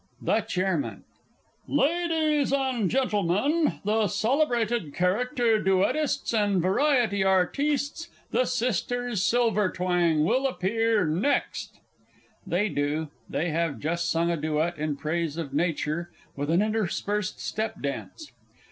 _ THE CHAIRMAN. Ladies and Gentlemen, the Celebrated Character Duettists and Variety Artistes, the Sisters Silvertwang, will appear next! [_They do; they have just sung a duet in praise of Nature with an interspersed step dance.